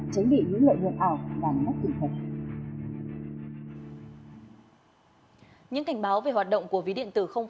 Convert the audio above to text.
tránh bị những lợi nhuận ảo và mắc tỉnh thật